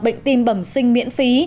bệnh tim bẩm sinh miễn phí